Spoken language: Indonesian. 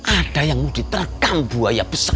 ada yang mau ditergang buaya besar